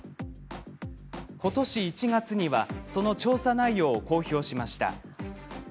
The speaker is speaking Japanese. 今年１月にはその調査内容を公表しました。